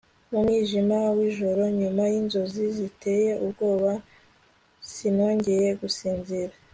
mu mwijima w'ijoro nyuma yinzozi ziteye ubwoba sinongeye gusinzira